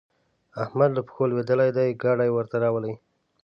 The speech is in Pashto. احمد له پښو لوېدلی دی؛ ګاډی ورته راولي.